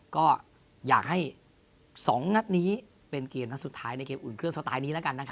ก็อยากให้๒นัดนี้เป็นเกมนัดสุดท้ายในเกมอุ่นเครื่องสไตล์นี้แล้วกัน